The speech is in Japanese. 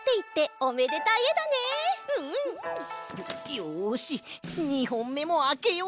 よし２ほんめもあけよう。